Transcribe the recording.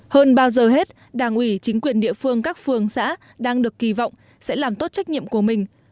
hơn bao giờ hết đảng ủy chính quyền địa phương các phường xã đang được kỳ vọng sẽ làm tốt trách nhiệm của mình